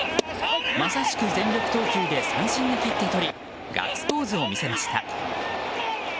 まさしく全力投球で三振に切ってとりガッツポーズを見せました。